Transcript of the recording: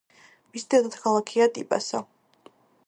მისი დედაქალაქია ტიპასა.